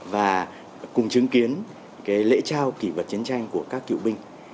và cùng chứng kiến lễ trao kỷ vật chiến tranh của các cựu binh